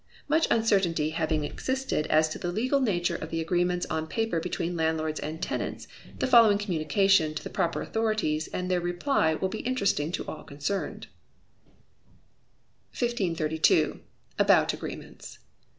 Much uncertainty having existed as to the legal nature of the agreements on paper between landlords and tenants, the following communication to the proper authorities, and their reply, will be interesting to all concerned: 1532. About Agreements.